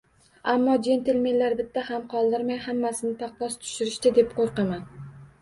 Ammo jentlmenlar bitta ham qoldirmay hammasini paqqos tushirishdi, deb qo`rqaman